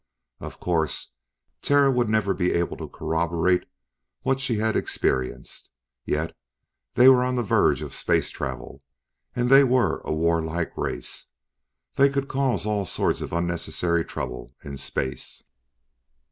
Of course, Terra would never be able to corroborate what she had experienced yet they were on the verge of space travel, and they were a war like race. They could cause all sorts of unnecessary trouble in space.